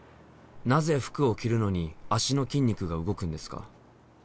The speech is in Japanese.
なぜ服を着るのに足の筋肉が動くんですか？